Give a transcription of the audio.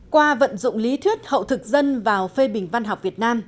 qua vận dụng lý thuyết hậu thực dân vào phê bình văn học việt nam